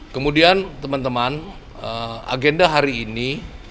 kemudian teman teman agenda hari ini